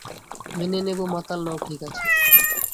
মেনে নেব মাতাল নও ঠিক আছো।